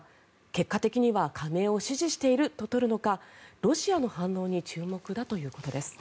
結果的には加盟を支持していると取るのかロシアの反応に注目だということです。